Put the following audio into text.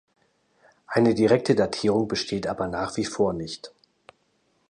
Eine direkte Datierung besteht aber nach wie vor nicht.